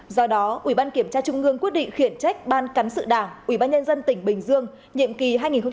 do đó ubnd trung ương quyết định khiển trách ban cán sự đảng ubnd tỉnh bình dương nhiệm kỳ hai nghìn hai mươi một hai nghìn hai mươi sáu